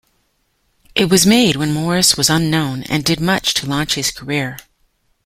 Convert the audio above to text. It was made when Morris was unknown and did much to launch his career.